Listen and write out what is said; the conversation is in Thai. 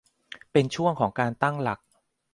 เป็นช่วงของการตั้งหลัก